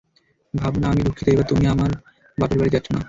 ভাবনা, আমি দুঃখিত, এইবার তুমি তোমার বাপের বাড়ী যাচ্ছো না।